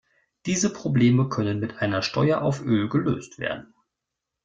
Diese Probleme können mit einer Steuer auf Öl gelöst werden.